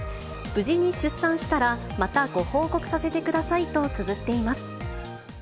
無事に出産したら、また、ご報告させてくださいとつづっています。